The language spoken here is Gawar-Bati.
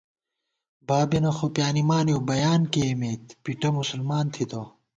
بابېنہ خوپیانِمانېؤ بیان کېئیمېت پِٹہ مسلمان تھتہ